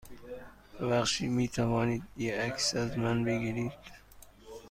ببخشید، می توانید یه عکس از من بگیرید؟